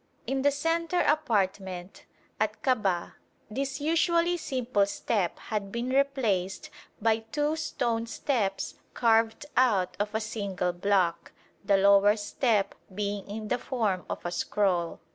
In the centre apartment at Kabah this usually simple step had been replaced by two stone steps carved out of a single block, the lower step being in the form of a scroll.